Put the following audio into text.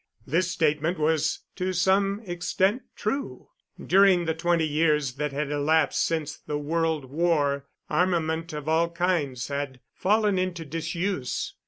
This statement was to some extent true. During the twenty years that had elapsed since the World War armament of all kinds had fallen into disuse.